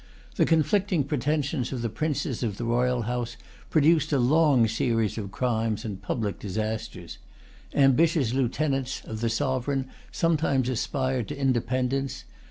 The conflicting pretensions of the princes of the royal house produced a long series of crimes and public disasters. Ambitious lieutenants of the sovereign sometimes aspired to independence.